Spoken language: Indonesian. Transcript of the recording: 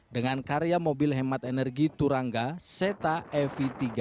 dengan karya mobil hemat energi turangga seta ev tiga